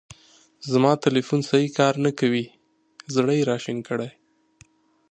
زما تیلیفون سیی کار نه کوی. زړه یې را شین کړی.